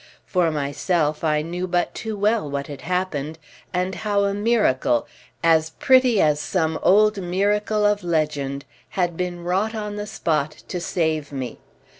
For myself, I knew but too well what had happened, and how a miracle—as pretty as some old miracle of legend—had been wrought on the spot to save me.